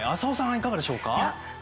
いかがでしょうか？